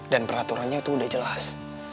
dan peraturannya itu udah jelas